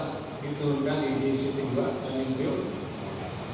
yang telah diturunkan di jict dua tanjung triup